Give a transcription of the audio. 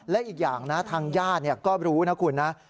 และอีกอย่างนะทางญาติก็รู้นะคุณนะ